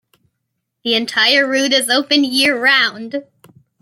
The entire route is open year-round.